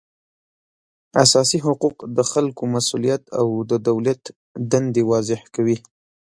اساسي حقوق د خلکو مسولیت او د دولت دندې واضح کوي